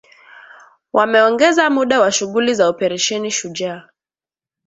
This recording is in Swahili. Wameongeza muda wa shughuli za Operesheni Shujaa